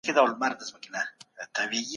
دا چټباټ د نورو په پرتله چټک ښکاري.